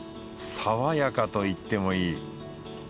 爽やかと言ってもいい。